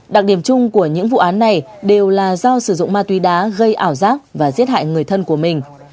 đặc điểm chung của những vụ án này đều là do sử dụng ma túy đá gây ảo giác và giết hại người thân của mình